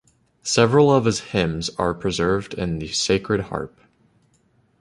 Several of his hymns are preserved in the Sacred Harp.